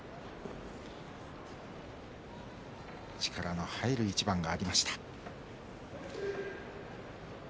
力の入る一番がありました。